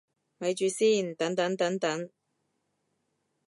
咪住先，等等等等